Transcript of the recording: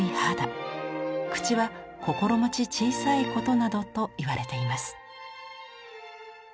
口はこころもち小さいことなどといわれています。